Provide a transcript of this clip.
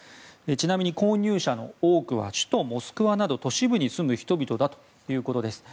ちなみに購入者の多くは首都モスクワなど都市部に住む人々だということです。